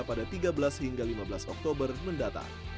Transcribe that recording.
pada tiga belas hingga lima belas oktober mendatang